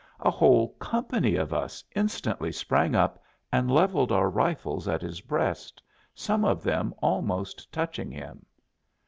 "A whole company of us instantly sprang up and leveled our rifles at his breast, some of them almost touching him.